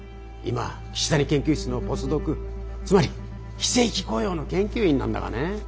今岸谷研究室のポスドクつまり非正規雇用の研究員なんだがね。